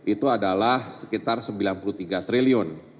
itu adalah sekitar rp sembilan puluh tiga triliun